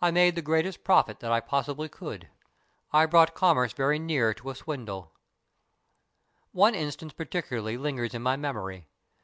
I made the greatest profit that I possibly could. I brought commerce very near io6 STORIES IN GREY to a swindle. One instance particularly lingers in my memory.